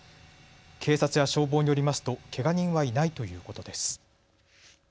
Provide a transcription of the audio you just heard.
警察や消防によりますとけが人はいないということです。